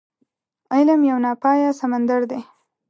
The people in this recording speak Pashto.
علم يو ناپايه سمندر دی.